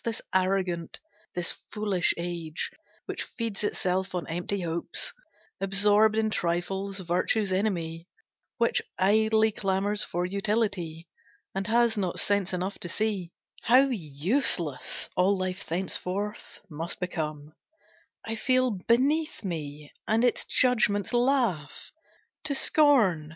This arrogant, this foolish age, Which feeds itself on empty hopes, Absorbed in trifles, virtue's enemy, Which idly clamors for utility, And has not sense enough to see How useless all life thenceforth must become, I feel beneath me, and its judgments laugh To scorn.